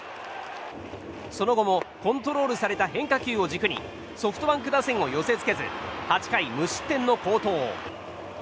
その後もコントロールされた変化球を軸にソフトバンク打線を寄せ付けず８回無失点の好投。